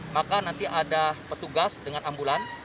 maka nanti ada petugas dengan ambulan